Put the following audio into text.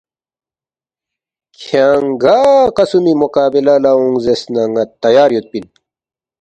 کھیانگ گا قسمی مقابلہ لہ اونگ زیرس نہ ن٘ا تیار یودپی اِن